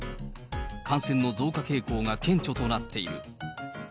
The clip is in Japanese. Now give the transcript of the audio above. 感染の増加傾向が顕著となっている。